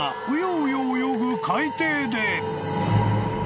うようよ泳ぐ海底で］